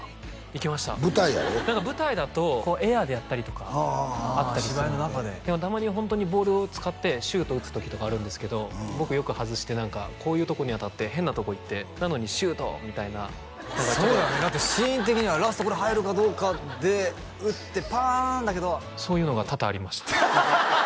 いけました何か舞台だとエアでやったりとかあったりするのででもたまにホントにボールを使ってシュート打つ時とかあるんですけど僕よく外して何かこうとこに当たって変なとこ行ってなのに「シュート！」みたいなそうだよねだってシーン的にはラストこれ入るかどうかで打ってパーンだけどそういうのが多々ありました